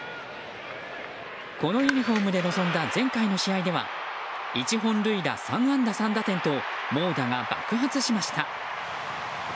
このユニホームで臨んだ前回の試合では１本塁打３安打３打点と猛打が爆発しました。